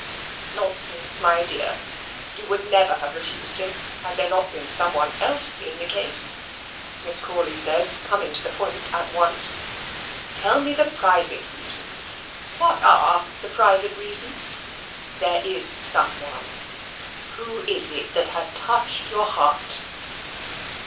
"Nonsense, my dear, you would never have refused him had there not been some one else in the case," Miss Crawley said, coming to her point at once. "Tell me the private reasons; what are the private reasons? There is some one; who is it that has touched your heart?"